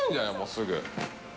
すぐ。